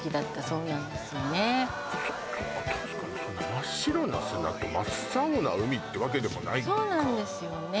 そっか確かに真っ白な砂と真っ青な海ってわけでもないかそうなんですよね